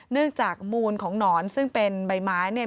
เนื่องจากมูลของหนอนซึ่งเป็นใบไม้เนี่ย